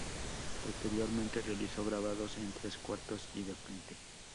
Posteriormente realizó grabados en tres cuartos y de frente.